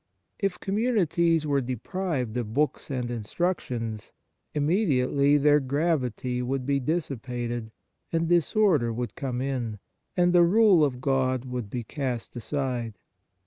If communities were deprived of books and instructions, immediately their gravity would be dissipated and disorder would come in, and the rule of God would be cast aside.